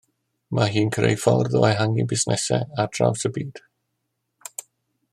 Mae hi'n creu ffordd o ehangu busnesau ardraws y byd